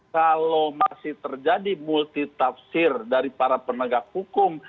kalau masih terjadi multi tafsir dari para penegak hukum